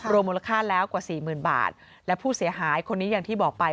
มูลค่าแล้วกว่าสี่หมื่นบาทและผู้เสียหายคนนี้อย่างที่บอกไป